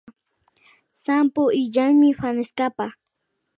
Sampo illanmi fanestapa